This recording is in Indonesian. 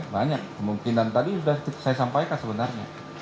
banyak kemungkinan tadi sudah saya sampaikan sebenarnya